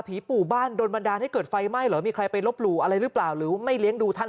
ปู่บ้านโดนบันดาลให้เกิดไฟไหม้เหรอมีใครไปลบหลู่อะไรหรือเปล่าหรือไม่เลี้ยงดูท่าน